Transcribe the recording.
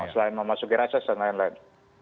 selain memasuki reses dan lain lain